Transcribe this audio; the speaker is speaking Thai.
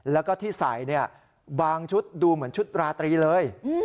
แล้วก็ที่ใส่บางชุดดูเหมือนชุดราตรีเลย